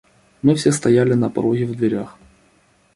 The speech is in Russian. Мы все стояли на пороге в дверях.